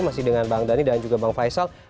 masih dengan bang dhani dan juga bang faisal